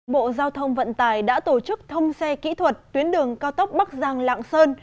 bộ giao thông vận tải đã tổ chức thông xe kỹ thuật tuyến đường cao tốc bắc giang lạng sơn